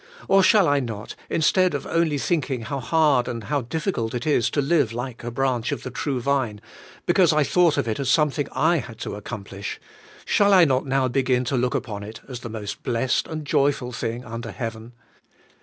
Or shall I not, in stead of only thinking how hard and how difficult it is to live like a branch of the True Vine, because I thought of it as something I had to accomplish — shall I not now begin to look upon it as the most blessed and joyful thing under heaven?